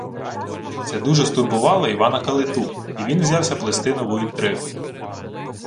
Це дуже стурбувало Івана Калиту, і він взявся плести нову інтригу: